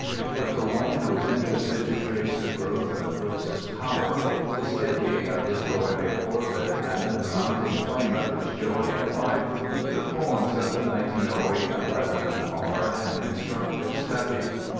But for one who is interested to trace the growth of Brooke's power, the steadying of his poetic orbit and the mounting flame of his joy in life, the poems of 1908 11 are an instructive study.